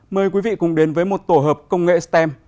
mời quý vị cùng đến với một tổ hợp công nghệ stem